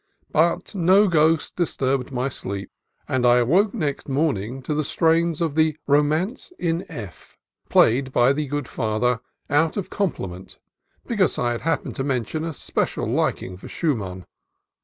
But no ghost disturbed my sleep, and I awoke next morning to the strains of the "Romance in F," played by the good Father out of compliment, be cause I had happened to mention a special liking for Schumann.